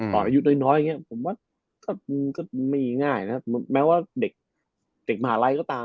อายุน้อยอย่างนี้ผมว่าก็ไม่ง่ายนะแม้ว่าเด็กมหาลัยก็ตาม